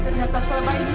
ternyata selama ini